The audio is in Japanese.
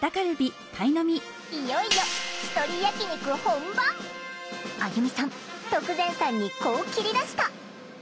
いよいよあゆみさん徳善さんにこう切り出した。